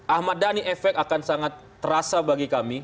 ahmad dhani efek akan sangat terasa bagi kami